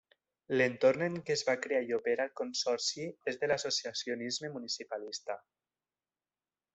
L'entorn en què es va crear i opera el Consorci és el de l'associacionisme municipalista.